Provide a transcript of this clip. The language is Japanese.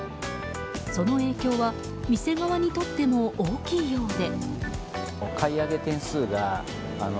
その影響は店側にとっても大きいようで。